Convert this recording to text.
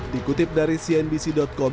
dikutip dari cnbc com